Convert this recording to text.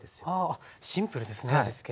あシンプルですね味付け。